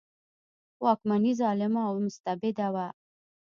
واکمني ظالمه او مستبده وه.